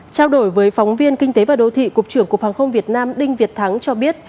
trao đổi với phóng viên kinh tế và đô thị cục trưởng cục hàng không việt nam đinh việt thắng cho biết